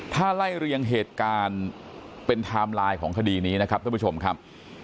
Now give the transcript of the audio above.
ถ้าไล่เรียงเหตุการณ์เป็นไทม์ไลน์ของคดีนี้นะครับท่านผู้ชมครับ